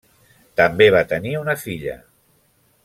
També va tenir una filla.